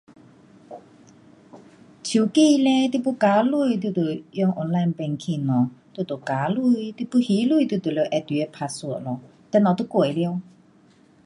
手机嘞你要加钱，你就得用 online banking 咯，你就加钱。你要还钱，你就得按你的 password 咯。等下就过了。